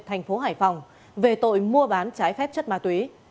thành phố hải phòng về tội mua bán trái phép chất ma túy